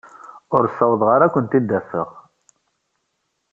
Ur ssawḍeɣ ara ad kent-id-afeɣ.